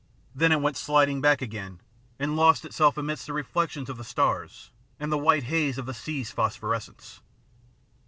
Then it went sliding back again and lost itself amidst the reflections of the stars and the white haze of the sea's phosphorescence.